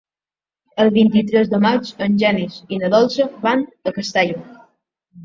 El vint-i-tres de maig en Genís i na Dolça van a Castalla.